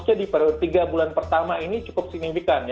dari penurunan ppnbm ini khususnya di tiga bulan pertama ini cukup signifikan